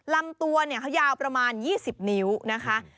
ลำตัวเขายาวประมาณ๒๐นิ้วนะคะ